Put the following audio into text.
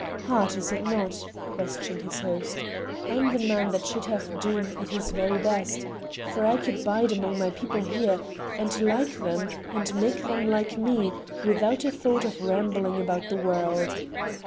"Hard, is it not?" questioned his host. "I'm the man that should have Doom at its very best, for I could bide among my people here, and like them, and make them like me, without a thought of rambling about the world.